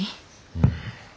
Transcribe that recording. うん。